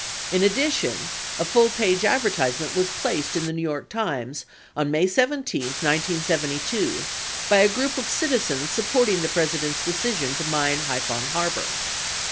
In addition, a full page advertisement was placed in the New York Times on May 17, 1972, by a group of citizens supporting the President's decision to mine Haiphong har bor.